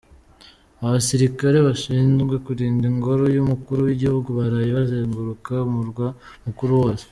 Abasilikale bashinzwe kurinda ingoro y’umukuru w’igihugu, baraye bazenguruka umurwa mukuru wose.